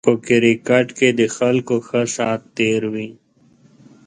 په کرکېټ کې د خلکو ښه سات تېر وي